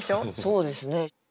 そうですね。